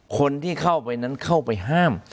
คนที่เข้าไปนั้นเข้าไปห้าม